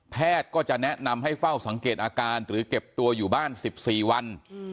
แพทย์ก็จะแนะนำให้เฝ้าสังเกตอาการหรือเก็บตัวอยู่บ้าน๑๔วัน